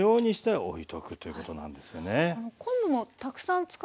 はい。